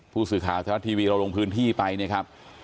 ผู้สื่อข่าวทรัฐทีวีเราลงพื้นที่ไปนะครับ